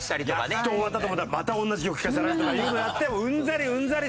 やっと終わったと思ったらまた同じ曲聴かされるとかいうのをやってうんざりうんざり。